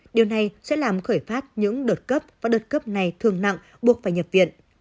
điều này sẽ làm khởi phát những đột cấp và đột cấp này thường nặng buộc phải nhập viện